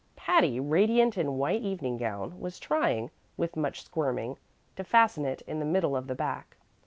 Patty, radiant in a white evening gown, was trying, with much squirming, to fasten it in the middle of the back.